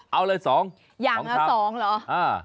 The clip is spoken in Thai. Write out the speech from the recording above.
เอาเลย๒อย่างละ๒เหรอ